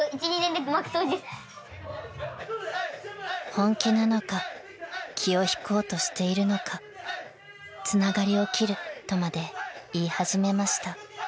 ［本気なのか気を引こうとしているのかつながりを切るとまで言い始めました］